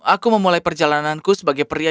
aku memulai perjalananku sebagai pria